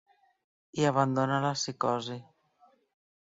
I abandona la psicosi.